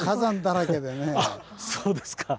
あっそうですか。